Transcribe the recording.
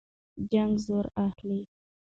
جنګ زور اخلي.